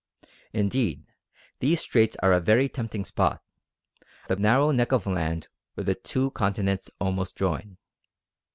Indeed these Straits are a very tempting spot: the narrow neck of land where the two continents almost join.